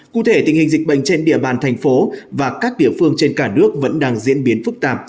cụ thể tình hình dịch bệnh trên địa bàn thành phố và các địa phương trên cả nước vẫn đang diễn biến phức tạp